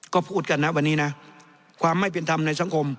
ก็พูดกันนะวันนี้นะความไม่เป็นธรรมในสังคม